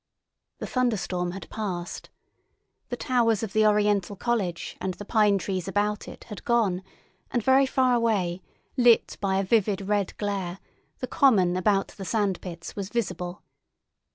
The thunderstorm had passed. The towers of the Oriental College and the pine trees about it had gone, and very far away, lit by a vivid red glare, the common about the sand pits was visible.